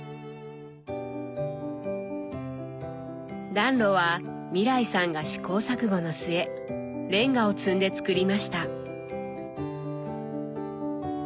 暖炉は未來さんが試行錯誤の末レンガを積んで造りました。